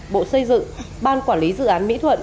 bộ xây dựng ban quản lý dự án mỹ thuận